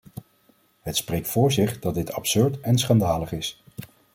Het spreekt voor zich dat dit absurd en schandalig is.